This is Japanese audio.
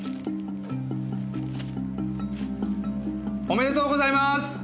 おめでとうございます！